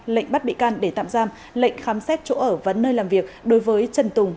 lệnh bắt bị can để tạm giam lệnh khám xét chỗ ở và nơi làm việc đối với trần tùng